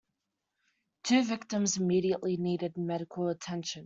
Two victims immediately need medical attention.